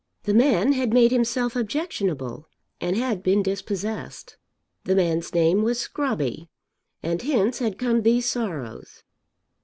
The man had made himself objectionable and had been dispossessed. The man's name was Scrobby; and hence had come these sorrows.